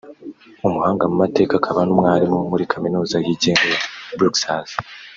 umuhanga mu mateka akaba n’umwarimu muri Kaminuza yigenga ya Bruxelles